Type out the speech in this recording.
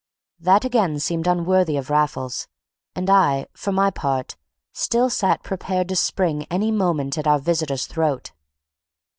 That again seemed unworthy of Raffles, and I, for my part, still sat prepared to spring any moment at our visitor's throat.